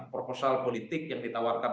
proposal politik yang ditawarkan